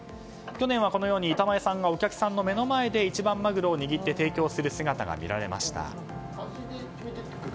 去年は、板前さんがお客さんの目の前で一番マグロを握って提供する姿が見られました。